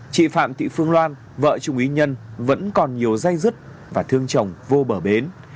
chị phạm thị phương loan vợ trung ý nhân vẫn còn nhiều dây dứt và thương chồng vô bờ bến